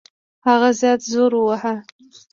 هغه زیات زور وواهه.